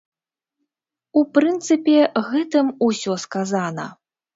У прынцыпе, гэтым усё сказана.